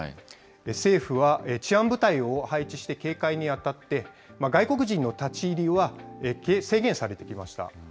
政府は治安部隊を配置して警戒に当たって、外国人の立ち入りは制限されていました。